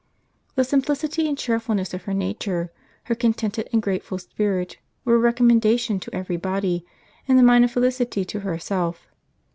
The simplicity and cheerfulness of her nature, her contented and grateful spirit, were a recommendation to every body, and a mine of felicity to herself.